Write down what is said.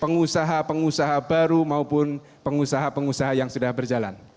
pengusaha pengusaha baru maupun pengusaha pengusaha yang sudah berjalan